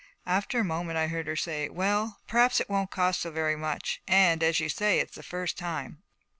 After a moment I heard her say, 'Well, perhaps it won't cost so very much, and as you say it's the first time.'